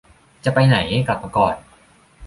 จะไปไหน กลับมาก่อน